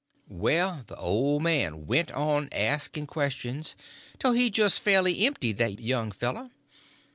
Well, the old man went on asking questions till he just fairly emptied that young fellow.